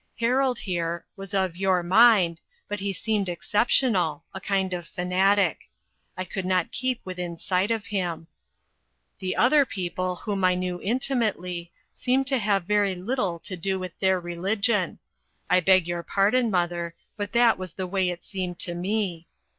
Harold, here, was of your mind, but he seemed ex ceptional a kind of fanatic ; I could not keep within sight of him. The other people whom I knew intimately, seemed to have very little to do with their religion. I beg your pardon, mother, but that was the way it seemed to me.